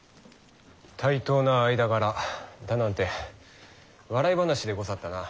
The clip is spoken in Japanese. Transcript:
対等な間柄だなんて笑い話でござったな。